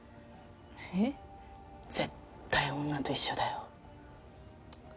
えっ？絶対女と一緒だよ。